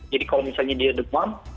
jadi kalau misalnya dia demam